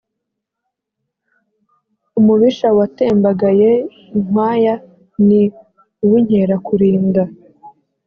umubisha watembagaye inkwaya ni uw'inkerakulinda